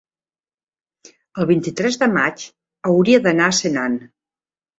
el vint-i-tres de maig hauria d'anar a Senan.